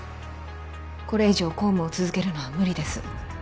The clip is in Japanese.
これ以上公務を続けるのは無理です